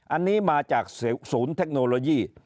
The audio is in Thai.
อันนี้มาจากศูนย์เทคโนโลยี